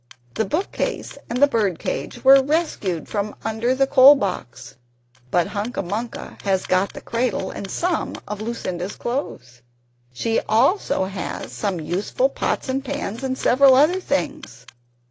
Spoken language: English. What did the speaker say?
The book case and the bird cage were rescued from under the coal box but Hunca Munca has got the cradle, and some of Lucinda's clothes. She also has some useful pots and pans, and several other things.